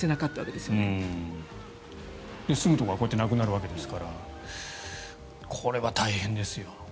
で、住むところはこうやってなくなるわけですからこれは大変ですよ。